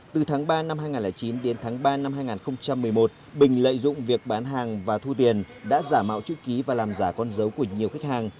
từ tháng ba năm hai nghìn chín đến tháng ba năm hai nghìn một mươi một bình lợi dụng việc bán hàng và thu tiền đã giả mạo chữ ký và làm giả con dấu của nhiều khách hàng